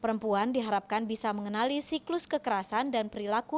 perempuan diharapkan bisa mengenali siklus kekerasan dan perilaku